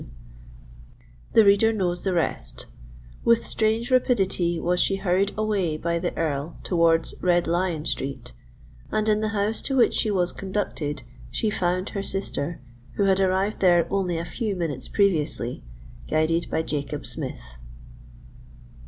The reader knows the rest:—with strange rapidity was she hurried away by the Earl towards Red Lion Street; and in the house to which she was conducted, she found her sister, who had arrived there only a few minutes previously, guided by Jacob Smith.